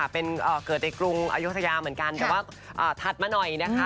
เป็นเกิดในกรุงอายุทยาเหมือนกันแต่ว่าถัดมาหน่อยนะคะ